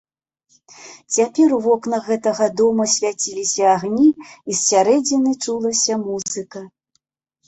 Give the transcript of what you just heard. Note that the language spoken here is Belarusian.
Цяпер у вокнах гэтага дома свяціліся агні і з сярэдзіны чулася музыка.